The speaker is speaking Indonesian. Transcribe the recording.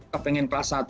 ke pengen kelas satu